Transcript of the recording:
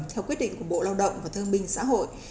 theo quyết định của bộ lao động và thương minh xã hội